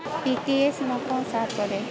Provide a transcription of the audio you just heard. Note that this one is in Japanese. ＢＴＳのコンサートです。